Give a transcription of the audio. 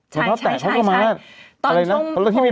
ใช่ไหมรองเท้าแต่เขาก็มา